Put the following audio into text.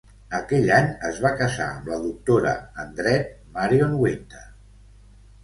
Aquell any es va casar amb la Doctora en Dret Marion Winter.